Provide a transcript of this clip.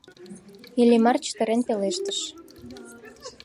— Иллимар, чытырен, пелештыш.